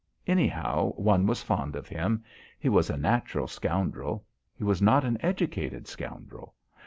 Anyhow one was fond of him. He was a natural scoundrel. He was not an educated scoundrel.